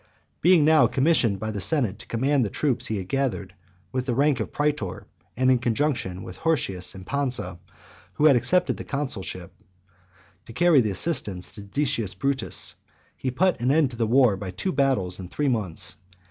Being now commissioned by the senate to command the troops he had gathered, with the rank of praetor, and in conjunction with Hirtius and Pansa, who had accepted the consulship, to carry assistance to Decius Brutus, he put an end to the war by two battles in three months.